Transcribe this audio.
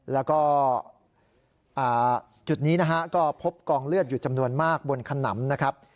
แล้วก็จุดนี้นะฮะก็พบกองเลือดอยู่จำนวนมากบนขนำนะครับ